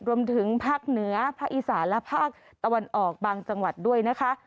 รวมถึงภาคเหนือภาคอีสานและภาคตะวันออกบางจังหวัดด้วยนะคะ